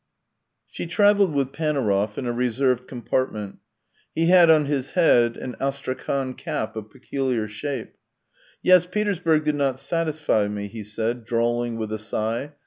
XI She travelled with Panaurov in a reserved compartment; he had on his head an astrachan cap of peculiar shape. " Yes, Petersburg did not satisfy me," he said, drawling, with a sigh.